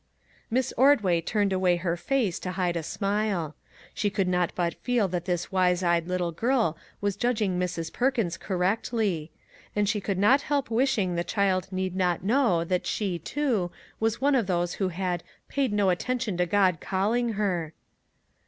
Miss Ordway turned away her face to hide a smile. She could not but feel that the wise eyed little girl was judging Mrs. Perkins cor rectly ; and she could not help wishing the child need not know that she, too, was one of those who had " paid no attention to God calling her."